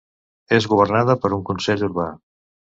És governada per un Consell Urbà.